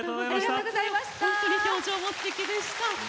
ほんとに表情もすてきでした。